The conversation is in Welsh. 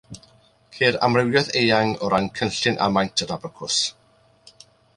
Ceir amrywiaeth eang o ran cynllun a maint yr abacws.